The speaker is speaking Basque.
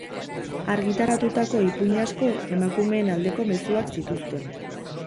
Argitaratutako ipuin asko, emakumeen aldeko mezuak zituzten.